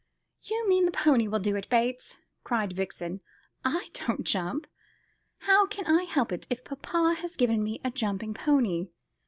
"You mean the pony will do it, Bates," cried Vixen. "I don't jump. How can I help it if papa has given me a jumping pony?